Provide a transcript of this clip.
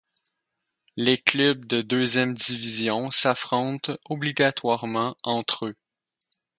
Les clubs de Deuxième division s'affrontent obligatoirement entre eux.